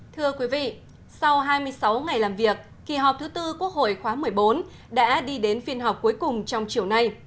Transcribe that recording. thưa quý vị sau hai mươi sáu ngày làm việc kỳ họp thứ tư quốc hội khóa một mươi bốn đã đi đến phiên họp cuối cùng trong chiều nay